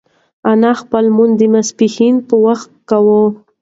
انا خپل لمونځ د ماسپښین په وخت کاوه.